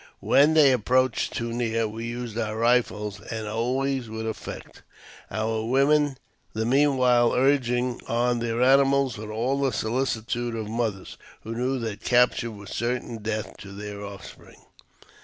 When they approached too near, we used our rifles, and always with effect ; our women the meanwhile urging on their animals with all the solicitude of mothers, who knew that capture was certain death to their offspring.